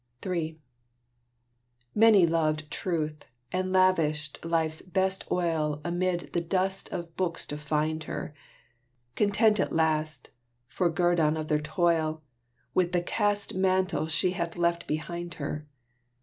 III Many loved Truth, and lavished life's best oil Amid the dust of books to find her, Content at last, for guerdon of their toil, With the cast mantle she hath left behind her.